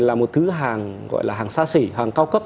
là một thứ hàng xa xỉ hàng cao cấp